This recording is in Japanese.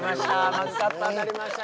マグカップ当たりました！